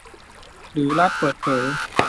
หรือรัฐเปิดเผย